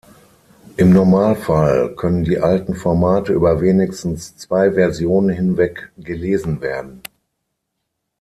Im Normalfall können die alten Formate über wenigstens zwei Versionen hinweg gelesen werden.